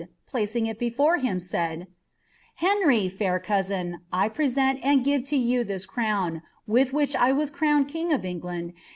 placing it before liim, said, —" Benry. fair cousin, 1 present and give to yon this crowik villi vUik I was crowned king uf EugUad.